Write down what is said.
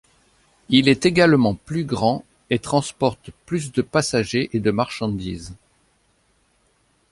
Il est également plus grand et transporte plus de passagers et de marchandises.